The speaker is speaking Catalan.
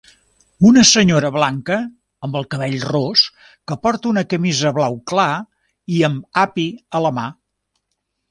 Una senyora blanca amb el cabell ros que porta una camisa blau clar i amb api a la mà.